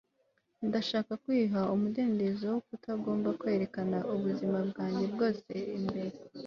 ndashaka kwiha umudendezo wo kutagomba kwerekana ubuzima bwanjye bwose imbere